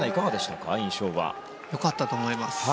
よかったと思います。